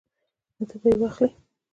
نو ته به یې واخلې